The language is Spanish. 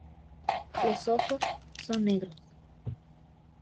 Los ojos son negros.